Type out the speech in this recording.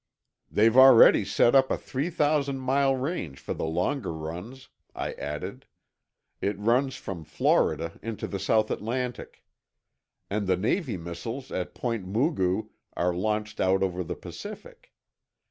"They've already set up a three thousand mile range for the longer runs," I added. "It runs from Florida into the South Atlantic. And the Navy missiles at Point Mugu are launched out over the Pacific.